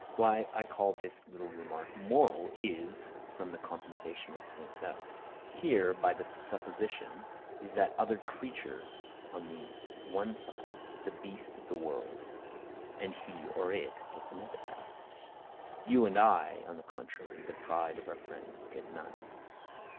Why I call this little remark moral, is, from the compensation it points out. Here, by the supposition, is that other creature on the one side, the beast of the world; and he (or it) gets an epitaph. You and I, on the contrary, the pride of our friends, get none.